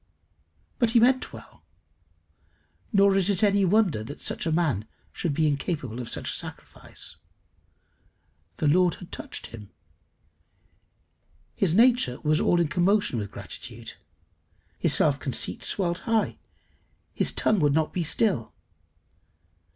But he meant well, nor is it any wonder that such a man should be incapable of such a sacrifice. The Lord had touched him. His nature was all in commotion with gratitude. His self conceit swelled high. His tongue would not be still.